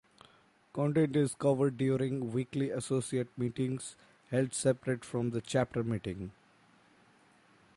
Content is covered during weekly associate meetings held separate from the chapter meeting.